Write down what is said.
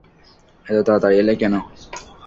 এত তাড়াতাড়ি এলে কেন?